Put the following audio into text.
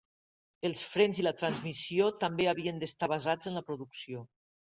Els frens i la transmissió també havien d'estar basats en la producció.